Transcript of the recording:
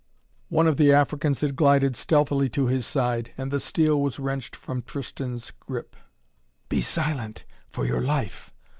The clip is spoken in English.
One of the Africans had glided stealthily to his side, and the steel was wrenched from Tristan's grip. "Be silent, for your life!"